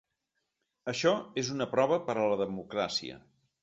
Això és una prova per a la democràcia.